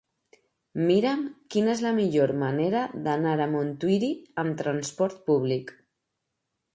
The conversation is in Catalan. Mira'm quina és la millor manera d'anar a Montuïri amb transport públic.